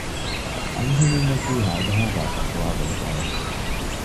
އަންހެނުންނަކީ ހާދަހާވާ ޝަކުވާ ބޮޑު ބައެއް